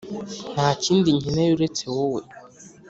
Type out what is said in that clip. nta kindi nkeneye uretse wowe